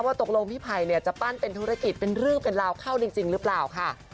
ตกลงพี่ไผ่จะปั้นเป็นธุรกิจเป็นเรื่องเป็นราวเข้าจริงหรือเปล่าค่ะ